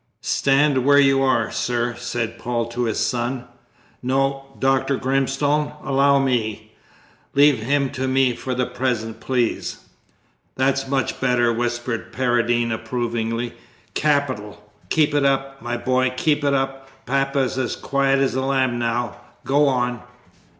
"Stand where you are, sir," said Paul to his son. "No, Dr. Grimstone, allow me leave him to me for the present, please." "That's much better," whispered Paradine approvingly; "capital. Keep it up, my boy; keep it up! Papa's as quiet as a lamb now. Go on."